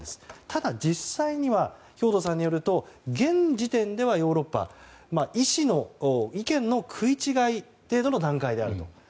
ただ、実際には兵頭さんによると、現時点ではヨーロッパは意見の食い違い程度の考え方だと。